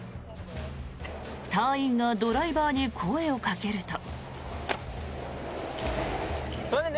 隊員がドライバーに声をかけると。